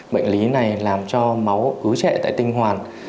bệnh lý này làm cho máu cứu trẻ tại tinh hoàn